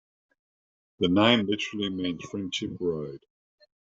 The name literally means "Friendship Road".